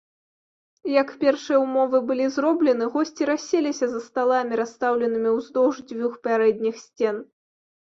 Як першыя ўмовы былі зроблены, госці расселіся за сталамі, расстаўленымі ўздоўж дзвюх пярэдніх сцен.